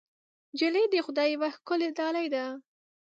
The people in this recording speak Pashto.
نجلۍ د خدای یوه ښکلی ډالۍ ده.